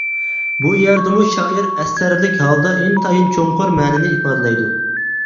بۇ يەردىمۇ شائىر ئەستەرلىك ھالدا ئىنتايىن چوڭقۇر مەنىنى ئىپادىلەيدۇ.